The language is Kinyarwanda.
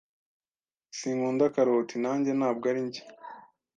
"Sinkunda karoti." "Nanjye ntabwo ari njye."